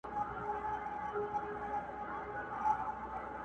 كه د زور تورو وهل د چا سرونه!.